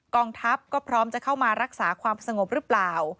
องทัพก็พร้อมจะเข้ามารักษาความสงบหรือเปล่า